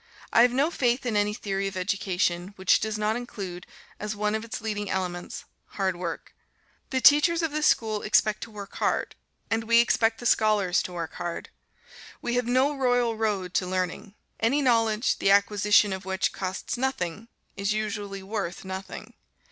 I have no faith in any theory of education, which does not include, as one of its leading elements, hard work. The teachers of this school expect to work hard, and we expect the scholars to work hard. We have no royal road to learning. Any knowledge, the acquisition of which costs nothing, is usually worth nothing.